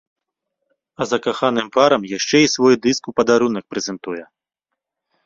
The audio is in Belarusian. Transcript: А закаханым парам яшчэ і свой дыск у падарунак прэзентуе.